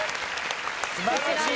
素晴らしい！